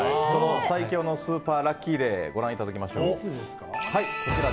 その最強のスーパーラッキーデーご覧いただきましょう。